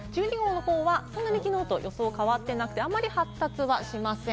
１２号の方は、きのうとあんまり予想は変わっていなくて、あまり発達はしません。